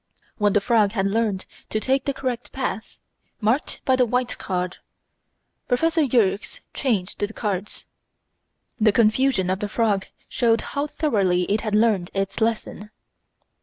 When the frog had learned to take the correct path, marked by the white card, Prof. Yerkes changed the cards. The confusion of the frog showed how thoroughly it had learned its lesson.